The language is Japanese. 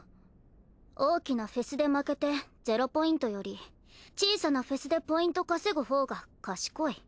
大きなフェスで負けて０ポイントより小さなフェスでポイント稼ぐほうが賢い。